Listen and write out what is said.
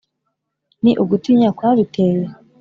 ni ugutinya kwabiteye?